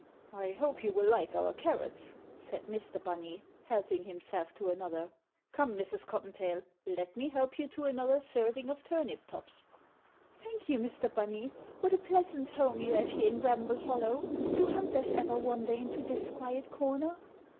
"I hope you will like our carrots," said Mr. Bunny, helping himself to another. "Come, Mrs. Cottontail, let me help you to another serving of turnip tops." "Thank you, Mr. Bunny. What a pleasant home you have here in Bramble Hollow. Do hunters ever wander into this quiet corner?"